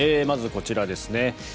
まずこちらですね。